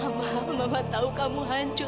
aku tolong dengerin mama mama tahu kamu hancur